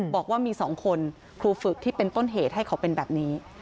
บอกว่ามี๒คนครูฝึกที่เป็นต้นเหตุให้เขาเป็นแบบนี้